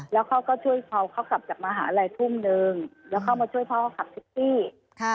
แล้วเขาก็ช่วยเขาเขากลับจากมหาลัยทุ่มหนึ่งแล้วเข้ามาช่วยพ่อเขาขับแท็กซี่ค่ะ